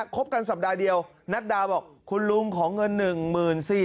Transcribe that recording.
คบกันสัปดาห์เดียวนัดดาบอกคุณลุงขอเงิน๑๔๐๐บาท